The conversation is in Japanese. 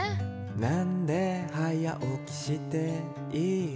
「なんで早おきしているの？」